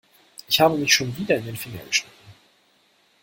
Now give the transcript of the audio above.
Ich habe mich schon wieder in den Finger geschnitten.